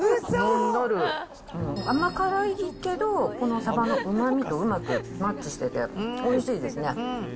甘辛いけど、このサバのうまみとうまくマッチしてて、おいしいですね。